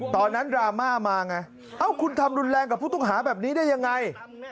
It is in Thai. ตอนนั้นราม่ามาไงเอ้าคุณทำรุนแรงกับพวกตัวขาแบบนี้ได้ยังไง